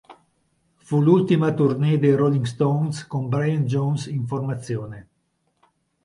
Fu l'ultima tournée dei Rolling Stones con Brian Jones in formazione.